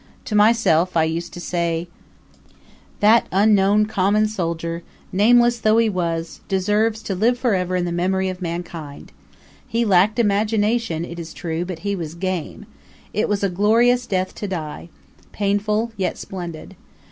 To myself I used to say: "That unknown common soldier, nameless though he was, deserves to live forever in the memory of mankind. He lacked imagination, it is true, but he was game. It was a glorious death to die painful, yet splendid.